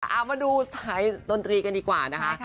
เอามาดูสายดนตรีกันดีกว่านะคะ